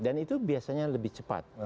dan itu biasanya lebih cepat